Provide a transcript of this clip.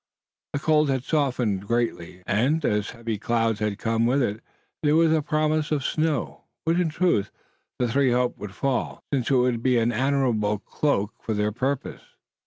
The cold had softened greatly, and, as heavy clouds had come with it, there was promise of snow, which in truth the three hoped would fall, since it would be an admirable cloak for their purpose.